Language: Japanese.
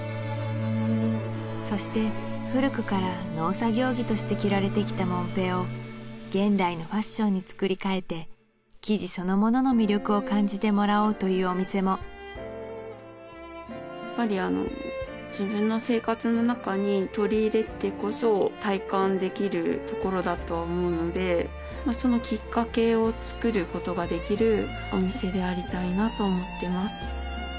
そして古くから農作業着として着られてきたもんぺを現代のファッションに作り替えて生地そのものの魅力を感じてもらおうというお店もやっぱりあの自分の生活の中に取り入れてこそ体感できるところだとは思うのでそのきっかけをつくることができるお店でありたいなと思ってます